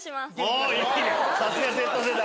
さすがＺ世代！